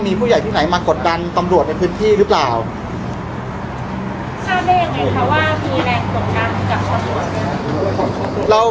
พี่แจงในประเด็นที่เกี่ยวข้องกับความผิดที่ถูกเกาหา